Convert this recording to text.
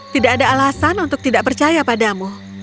tidak ada alasan untuk tidak percaya padamu